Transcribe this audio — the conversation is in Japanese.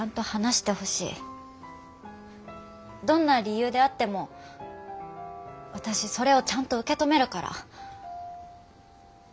どんな理由であっても私それをちゃんと受け止めるから。